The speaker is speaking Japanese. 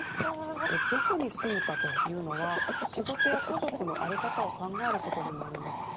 どこに住むかというのは仕事や家族のあり方を考えることでもあります。